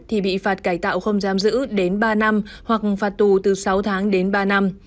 thì bị phạt cải tạo không giam giữ đến ba năm hoặc phạt tù từ sáu tháng đến ba năm